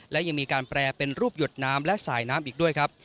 และยังมีการแปรเป็นรูปหยดน้ำและสายน้ำอีกด้วยครับ